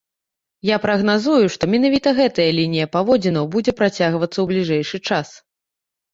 Я прагназую, што менавіта гэтая лінія паводзінаў будзе працягвацца ў бліжэйшы час.